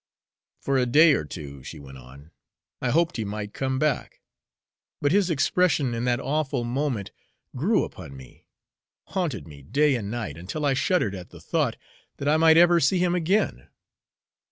"For a day or two," she went on, "I hoped he might come back. But his expression in that awful moment grew upon me, haunted me day and night, until I shuddered at the thought that I might ever see him again.